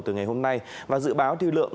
từ ngày hôm nay và dự báo thiêu lượng